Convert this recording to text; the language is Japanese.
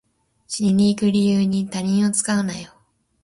死にに行く理由に他人を使うなよ